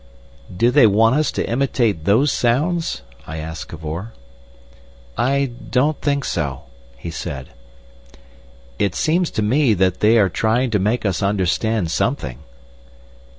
"Do they want us to imitate those sounds?" I asked Cavor. "I don't think so," he said. "It seems to me that they are trying to make us understand something."